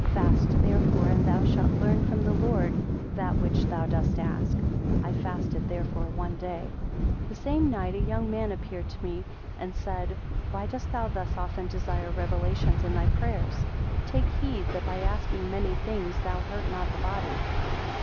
Fast, therefore, and thou shalt learn from the Lord that which thou dost ask. I fasted therefore one day. 113 The same night a young man appeared to me and said, Why dost thou thus often desire Revelations in thy prayers? Take heed that by asking many things, thou hurt not the body.